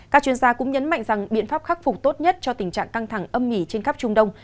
các chuyên gia cũng nhấn mạnh rằng biện pháp khắc phục tốt nhất cho tình trạng căng thẳng âm ỉ trên khắp trung đông